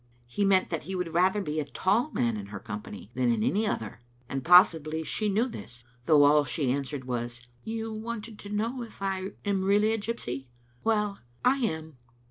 He meant that he would rather be a tall man in her company than in any other, and possibly she knew this, though all she answered was —" You wanted to know if I am really a gypsy. Well, lam."